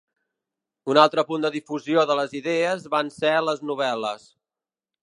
Un altre punt de difusió de les idees van ser les novel·les.